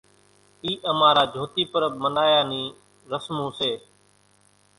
اِي امارا جھوتي پرٻ منايا نِي رسمون سي۔